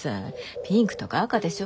ピンクとか赤でしょ。